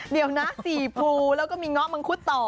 เดี๋ยวนะสีพูแล้วก็มีเงาะมังคุดต่อ